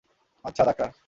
আচ্ছা, ডাক্তার।